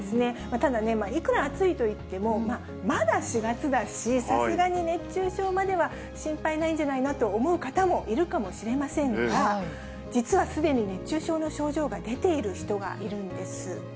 ただね、いくら暑いといっても、まだ４月だし、さすがに熱中症までは心配ないんじゃないのって思う方もいるかもしれませんが、実はすでに熱中症の症状が出ている人がいるんです。